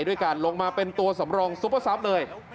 ด้วยการลงมาเป็นตัวสำรองซุปเปอร์ซับเลย